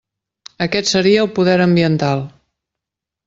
Aquest seria el poder ambiental.